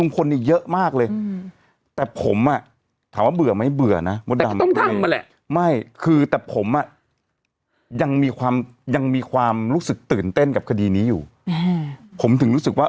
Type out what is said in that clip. โอ้ยพี่เร่งโอ้ยพี่เร่งโอ้ยพี่เร่งโอ้ยพี่เร่งโอ้ยพี่เร่งโอ้ย